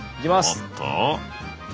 おっと。